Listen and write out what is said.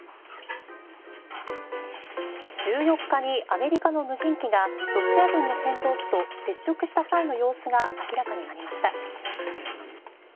１４日にアメリカの無人機がロシア軍の戦闘機と接触した際の様子が明らかになりました。